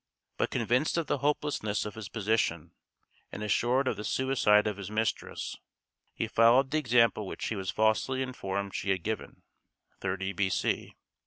But convinced of the hopelessness of his position, and assured of the suicide of his mistress, he followed the example which he was falsely informed she had given (30 B.C.).